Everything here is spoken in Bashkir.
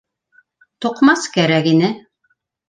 Туҡмас кәрәк ине.